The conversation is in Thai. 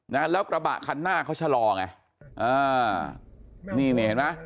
นะฮะแล้วกระบะคันหน้าเขาชะลอไงนี่เห็นไหม